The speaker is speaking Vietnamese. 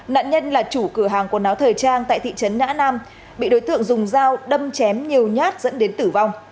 nạn nhân là chủ cửa hàng quần áo thời trang tại thị trấn nhã nam bị đối tượng dùng dao đâm chém nhiều nhát dẫn đến tử vong